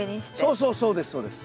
そうそうそうですそうです。